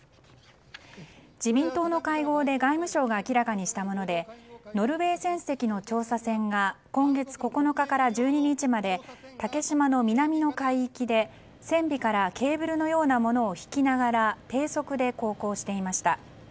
自民党の会合で外務省が明らかにしたものでノルウェー船籍の調査船が今月９日から１２日まで竹島の南の海域で、船尾からケーブルのようなものを引きながら低速で航行していました。